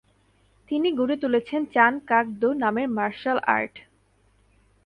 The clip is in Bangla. তিনি গড়ে তুলেছেন চান কাক দো নামের মার্শালআর্ট।